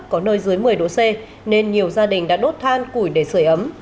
có nơi dưới một mươi độ c nên nhiều gia đình đã đốt than củi để sửa ấm